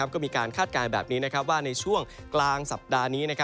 ก็มีการคาดการณ์แบบนี้ว่าในช่วงกลางสัปดาห์นี้